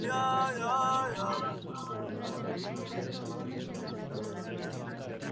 Es la sede de la Hermandad de Santa Cruz.